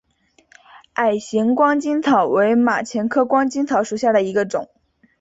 矮形光巾草为马钱科光巾草属下的一个种。